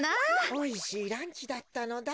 おいしいランチだったのだ。